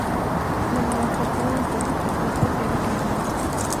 La nomenclatura del cartucho Spencer era singular.